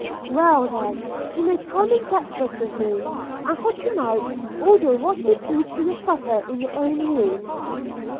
'Well, then, you may come and breakfast with me; and for to night, order what you please for your supper in your own room.'